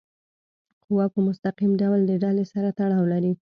قوه په مستقیم ډول د ډلي سره تړاو لري.